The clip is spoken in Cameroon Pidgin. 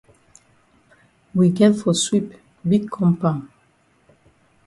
We get for sweep big compound.